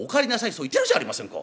そう言ってるじゃありませんか」。